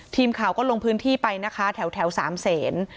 ทีมข่าวก็ลงพื้นที่ไปนะคะแถวสามเศษ